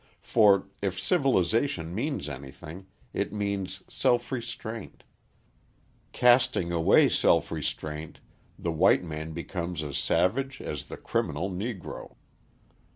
For, if civilisation means anything, it means self restraint; casting away self restraint the white man becomes as savage as the criminal Negro.